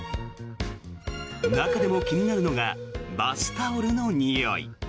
中でも気になるのがバスタオルのにおい。